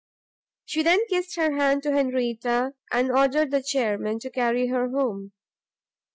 She then kissed her hand to Henrietta, and ordered the chairmen to carry her home.